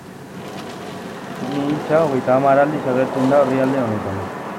Ni hitza hogeita hamar aldiz agertzen da orrialde honetan.